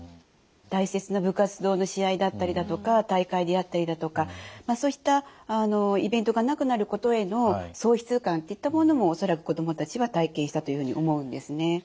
大切な部活動の試合だったりだとか大会であったりだとかそういったイベントがなくなることへの喪失感っていったものも恐らく子どもたちは体験したというふうに思うんですね。